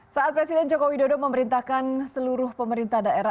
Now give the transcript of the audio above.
saat presiden joko widodo memerintahkan seluruh pemerintah daerah